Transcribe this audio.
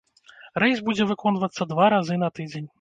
Рэйс будзе выконвацца два разы на тыдзень.